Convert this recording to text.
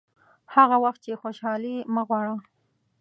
هغه وخت چې خوشاله یې مه غواړه.